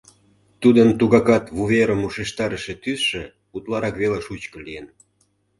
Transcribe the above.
Тудын тугакат вуверым ушештарыше тӱсшӧ утларак веле шучко лийын.